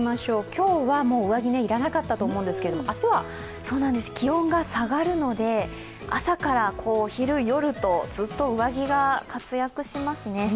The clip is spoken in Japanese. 今日は上着、要らなかったと思うんですけど、気温が下がるので朝から昼、夜と、上着が活躍しますね。